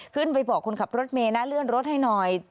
ขึ้นไปบอกคนขับรถเมย์นะเลื่อนรถให้หน่อย